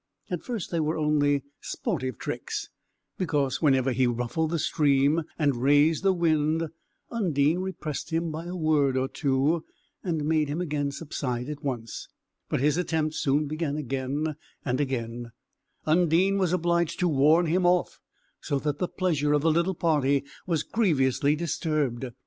At first they were only sportive tricks, because, whenever he ruffled the stream and raised the wind, Undine repressed him by a word or two, and made him again subside at once; but his attempts soon began again, and again, Undine was obliged to warn him off; so that the pleasure of the little party was grievously disturbed.